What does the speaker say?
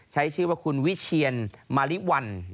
ใช้ชื่อว่าคุณวิเชียนมาริวัล